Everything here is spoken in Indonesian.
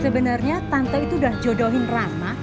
sebenarnya tante itu udah jodohin rama